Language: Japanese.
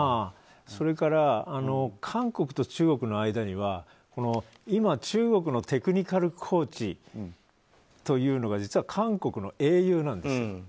それから韓国と中国の間には今、中国のテクニカルコーチというのが実は韓国の英雄なんです。